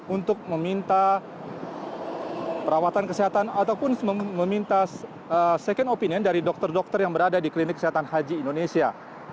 untuk meminta perawatan kesehatan ataupun meminta second opinion dari dokter dokter yang berada di klinik kesehatan haji indonesia